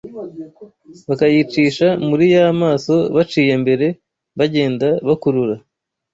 bakayicisha muri ya maso baciye mbere bagenda bakurura